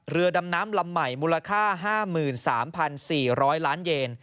เรือดำน้ำลำใหม่มูลค่า๕๓๔๐๐ล้านเยน